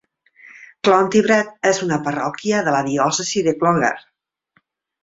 Clontibret és una parròquia de la diòcesi de Clogher.